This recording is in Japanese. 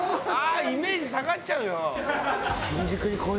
イメージ下がっちゃうよ！